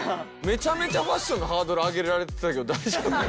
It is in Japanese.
めちゃめちゃファッションのハードル上げられてたけど大丈夫？